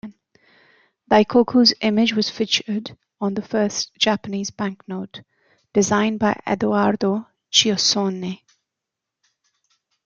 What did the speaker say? Daikoku's image was featured on the first Japanese bank note, designed by Edoardo Chiossone.